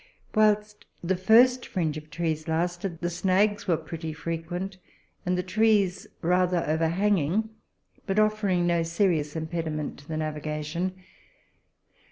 Whilst the first fringe of trees lasted, the snags were pretty frequent, and the trees rather overhanging, but offering no serious impediment to the navigation.